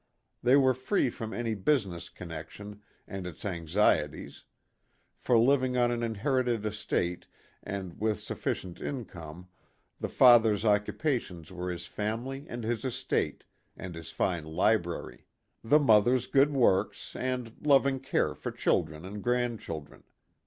They were free from any business connection and its anxieties ; for living on an inherited estate and with sufficient income, the father's occupations were his family and his estate, and his fine library ; the mother's good works and loving care for children and grandchildren.